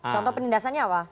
contoh penindasannya apa